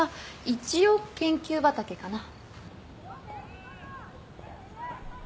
一応研究畑かな。